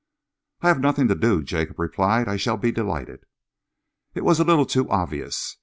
"I have nothing to do," Jacob replied. "I shall be delighted." It was a little too obvious.